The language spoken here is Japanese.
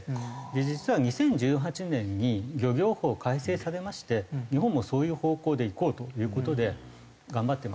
実は２０１８年に漁業法改正されまして日本もそういう方向でいこうという事で頑張ってます。